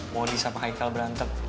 wody sama haikal berantem